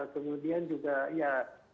kemudian juga ya